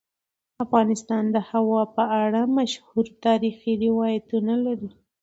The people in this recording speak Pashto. افغانستان د هوا په اړه مشهور تاریخی روایتونه لري.